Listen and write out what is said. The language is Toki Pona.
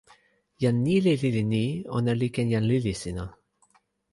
jan ni li lili ni: ona li ken jan lili sina.